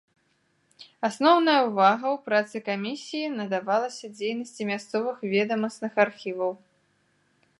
Асноўная ўвага ў працы камісіі надавалася дзейнасці мясцовых ведамасных архіваў.